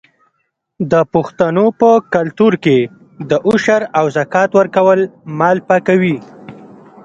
د پښتنو په کلتور کې د عشر او زکات ورکول مال پاکوي.